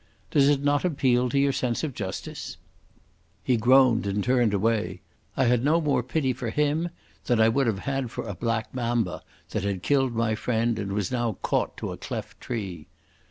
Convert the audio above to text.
Does it not appeal to your sense of justice?" He groaned and turned away. I had no more pity for him than I would have had for a black mamba that had killed my friend and was now caught to a cleft tree.